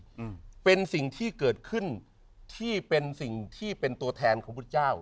อืมเป็นสิ่งที่เกิดขึ้นที่เป็นสิ่งที่เป็นตัวแทนของพุทธเจ้า